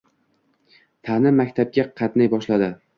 Tani maktabga qatnay boshladi